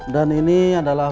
dan ini adalah